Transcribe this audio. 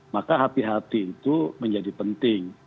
maka hati hati itu menjadi penting